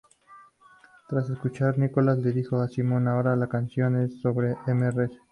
Tras escucharla, Nichols le dijo a Simon: "Ahora la canción es sobre "Mrs.